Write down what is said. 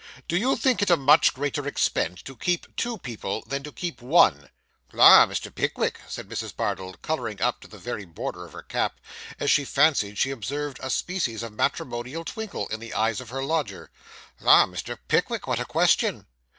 'Do you think it a much greater expense to keep two people, than to keep one?' 'La, Mr. Pickwick,' said Mrs. Bardell, colouring up to the very border of her cap, as she fancied she observed a species of matrimonial twinkle in the eyes of her lodger; 'La, Mr. Pickwick, what a question!